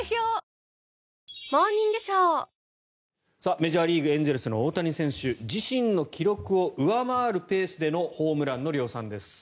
メジャーリーグエンゼルスの大谷選手自身の記録を上回るペースでのホームランの量産です。